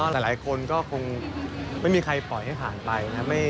หลายคนก็คงไม่มีใครปล่อยให้ผ่านไปนะครับ